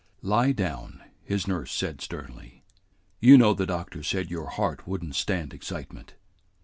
"Lie down," his nurse said sternly. "You know the doctor said your heart would n't stand excitement."